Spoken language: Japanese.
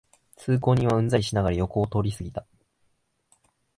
通行人はうんざりしながら横を通りすぎた